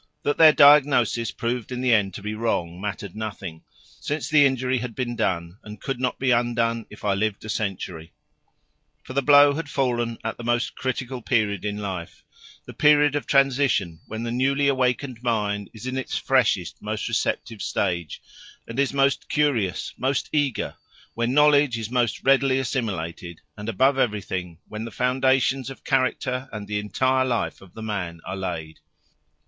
That their diagnosis proved in the end to be wrong mattered nothing, since the injury had been done and could not be undone if I lived a century. For the blow had fallen at the most critical period in life, the period of transition when the newly awakened mind is in its freshest, most receptive stage, and is most curious, most eager, when knowledge is most readily assimilated, and, above everything, when the foundations of character and the entire life of the man are laid.